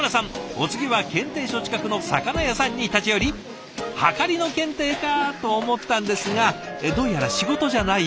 お次は検定所近くの魚屋さんに立ち寄り「『はかり』の検定か？」と思ったんですがどうやら仕事じゃないようで。